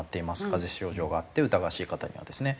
風邪症状があって疑わしい方にはですね。